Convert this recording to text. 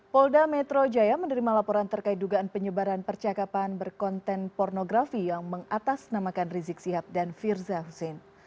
polri menerima laporan terkait dugaan penyebaran percakapan berkonten pornografi yang mengatas namakan rizik sihab dan firza husein